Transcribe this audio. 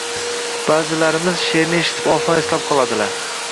Baʼzilarimiz sheʼrni eshitib oson eslab qoladilar.